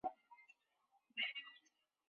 希罗纳古罗马凯尔特神话女性神只之一。